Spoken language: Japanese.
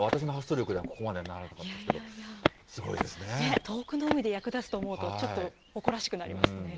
私の発想力では、ここまではならなかったんですけれども、すごい遠くの海で役立つと思うと、ちょっと誇らしくなりますね。